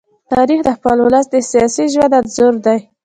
تاریخ د خپل ولس د سیاسي ژوند انځور دی.